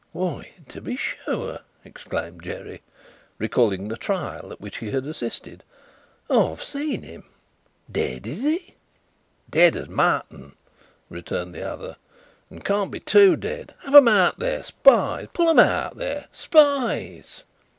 "Why, to be sure!" exclaimed Jerry, recalling the Trial at which he had assisted. "I've seen him. Dead, is he?" "Dead as mutton," returned the other, "and can't be too dead. Have 'em out, there! Spies! Pull 'em out, there! Spies!"